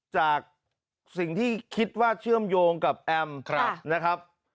จากสิ่งที่คิดว่าเชื่อมโยงกับแอมนะครับ